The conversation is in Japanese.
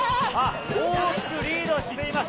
大きくリードしています。